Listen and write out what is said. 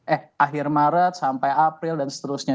eh akhir maret sampai april dan seterusnya